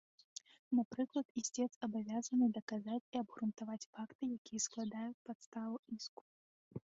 Напрыклад, ісцец абавязаны даказаць і абгрунтаваць факты, якія складаюць падставу іску.